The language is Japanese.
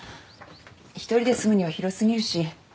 一人で住むには広過ぎるし。